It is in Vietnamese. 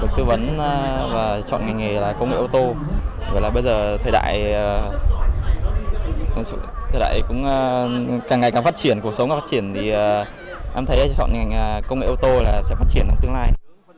tư vấn và chọn nghề nghề là công nghệ ô tô bây giờ thời đại càng ngày càng phát triển cuộc sống càng phát triển thì em thấy chọn nghề nghề công nghệ ô tô sẽ phát triển trong tương lai